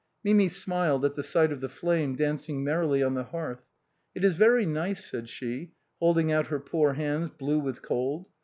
Mimi smiled at the sight of the flame dancing merrily on the hearth. " It is very nice," said she, holding out her poor hands blue with cold.